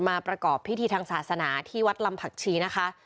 ประกอบพิธีทางศาสนาที่วัดลำผักชีนะคะ